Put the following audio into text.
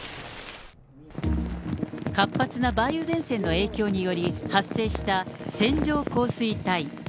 活発な梅雨前線の影響により、発生した線状降水帯。